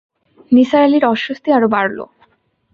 নিসার আলির অস্বস্তি আরো বাড়ল।